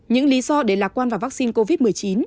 những lý do để lạc quan vào vaccine covid một mươi chín